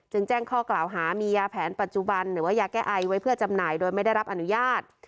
แจ้งข้อกล่าวหามียาแผนปัจจุบันหรือว่ายาแก้ไอไว้เพื่อจำหน่ายโดยไม่ได้รับอนุญาต